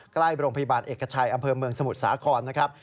ใกล้โรงพยาบาลเอกชัยอำเภอเมืองสมุทรสาครนะครับ